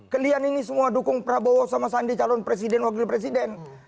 kalian ini semua dukung prabowo sama sandi calon presiden wakil presiden